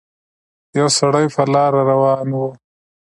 يو سړی په لاره روان وو